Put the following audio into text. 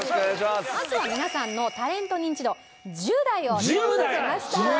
まずは皆さんのタレントニンチド１０代を調査しました。